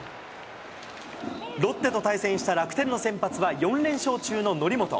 ロッテと対戦した楽天の先発は、４連勝中の則本。